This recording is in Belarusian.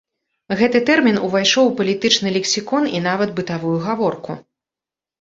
Гэты тэрмін увайшоў у палітычны лексікон і нават бытавую гаворку.